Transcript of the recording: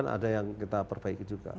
ada yang kita perbaiki juga